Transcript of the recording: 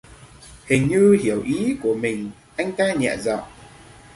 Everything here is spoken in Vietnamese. Hình như hiểu ý của mình anh ta nhẹ giọng